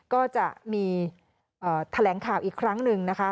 ก็จะมีแถลงข่าวอีกครั้งหนึ่งนะคะ